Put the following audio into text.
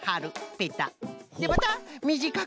ペタ。